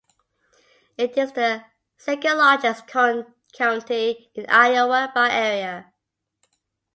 It is the second-largest county in Iowa by area.